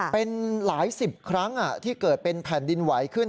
เป็นหลายสิบครั้งที่เกิดเป็นแผ่นดินไหวขึ้น